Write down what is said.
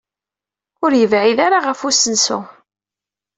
Ur yebɛid ara ɣef usensu.